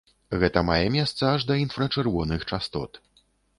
Гэта мае месца аж да інфрачырвоных частот.